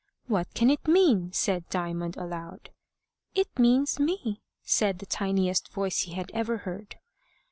"What can it mean?" said Diamond, aloud. "It means me," said the tiniest voice he had ever heard.